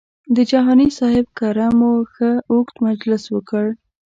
د جهاني صاحب کره مو ښه اوږد مجلس وکړ.